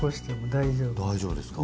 大丈夫ですか。